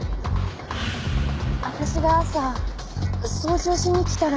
私が朝掃除をしに来たら。